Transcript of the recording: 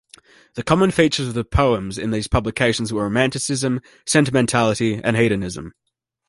The common features of the poems in these publications were romanticism, sentimentality and hedonism.